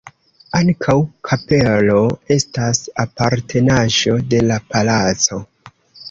Ankaŭ kapelo estas apartenaĵo de la palaco.